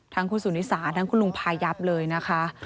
ทั้งคุณสุนิสาทั้งคุณลุงพายับเลยนะคะ